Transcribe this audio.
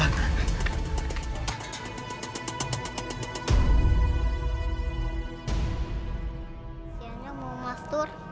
ianya mau mastur